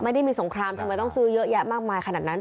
ไม่ได้มีสงครามทำไมต้องซื้อเยอะแยะมากมายขนาดนั้น